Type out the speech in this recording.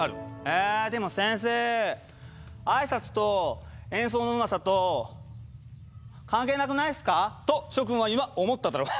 「えでも先生あいさつと演奏のうまさと関係なくないっすか？」と諸君は今思っただろう。